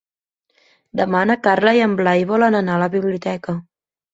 Demà na Carla i en Blai volen anar a la biblioteca.